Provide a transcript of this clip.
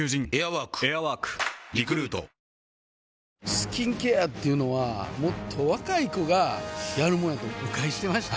スキンケアっていうのはもっと若い子がやるもんやと誤解してました